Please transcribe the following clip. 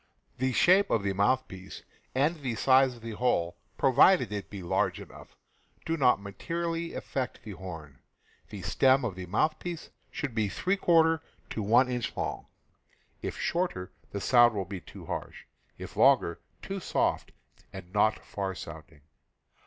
The shape of the mouthpiece and the size of the hole — pro vided it be large enough — do not materially affect the horn. The stem of the mouthpiece should be f to 1 inch long. If shorter, the sound will be too harsh; if longer, too soft and not far sounding.